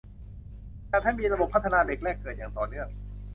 จัดให้มีระบบพัฒนาเด็กแรกเกิดอย่างต่อเนื่อง